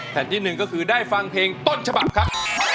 แผนที่หนึ่งก็คือได้ฟังเพลงต้นฉบับครับ